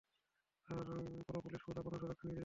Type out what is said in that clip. Sir, পুরো police force আপনার সুরক্ষায় নিয়োজিত থাকবে।